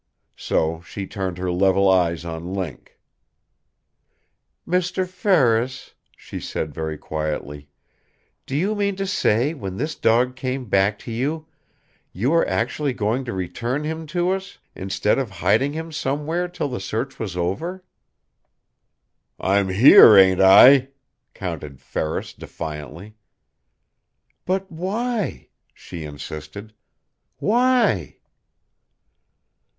So she turned her level eyes on Link. "Mr. Ferris," she said very quietly, "do you mean to say, when this dog came back to you, you were actually going to return him to us, instead of hiding him somewhere till the search was over?" "I'm here, ain't I?" countered Ferris defiantly. "But why?" she insisted. "WHY?"